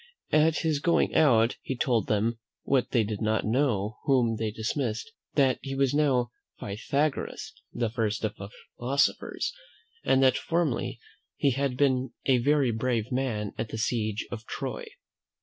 At his going out he told them, "that they did not know whom they dismissed; that he was now Pythagoras, the first of philosophers, and that formerly he had been a very brave man at the Siege of Troy."